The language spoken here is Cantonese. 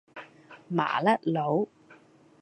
麻甩佬